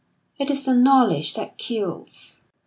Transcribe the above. It is the knowledge that kills.